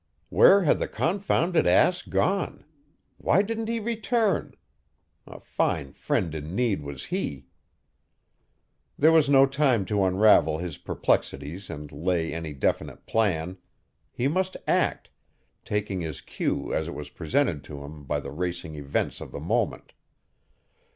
Where had the confounded ass gone? Why didn't he return? A fine friend in need was he! There was no time to unravel his perplexities and lay any definite plan. He must act, taking his cue as it was presented to him by the racing events of the moment.